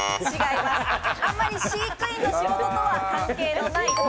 あまり飼育員の仕事とは関係のない。